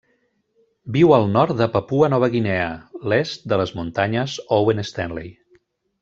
Viu al nord de Papua Nova Guinea: l'est de les muntanyes Owen Stanley.